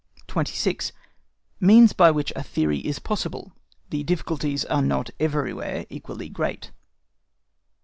26. MEANS LEFT BY WHICH A THEORY IS POSSIBLE (THE DIFFICULTIES ARE NOT EVERYWHERE EQUALLY GREAT).